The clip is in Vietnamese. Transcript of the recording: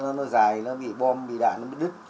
nó dài nó bị bom bị đạn nó bứt đứt